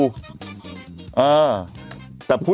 พุทธไม่รู้ไปไหนตอนเนี้ยแต่ผมยังอยู่